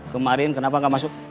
kemarin kenapa gak masuk